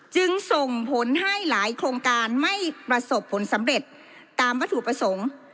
จึงส่งผลให้หลายโครงการไม่ประสบผลสำเร็จตามวัตถุประสงค์